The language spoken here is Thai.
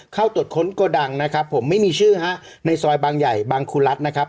เข้าตรวจค้นโกดังนะครับผมไม่มีชื่อฮะในซอยบางใหญ่บางครูรัฐนะครับ